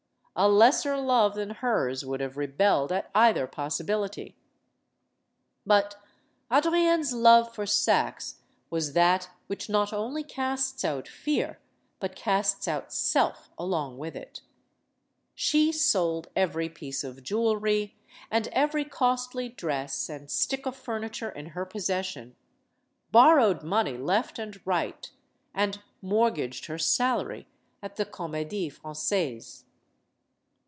A lesser love than hers would have rebelled at either possibility. But Adrienne's love for Saxe was that which not only casts out fear, but casts out self along witK it. She sold every piece of jewelry and every costly dress and stick of furniture in her possession, borrowed 128 STORIES OF THE SUPER WOMEN money right and left, and mortgaged her salary at the Comedie Francaise.